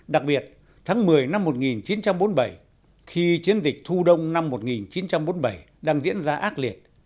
đặc biệt tháng một mươi năm một nghìn chín trăm bốn mươi bảy khi chiến dịch thu đông năm một nghìn chín trăm bốn mươi bảy đang diễn ra ác liệt